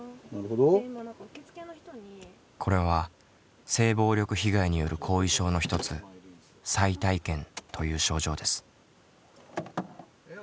これは性暴力被害による後遺症の一つ再体験という症状です。